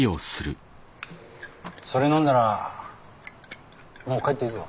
それ飲んだらもう帰っていいぞ。